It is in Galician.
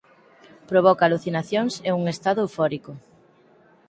Provoca alucinacións e un estado eufórico.